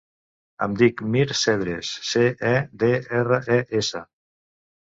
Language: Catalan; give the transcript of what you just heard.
Em dic Mirt Cedres: ce, e, de, erra, e, essa.